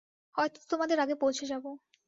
হয়তো তোমাদের আগে পৌঁছে যাবে।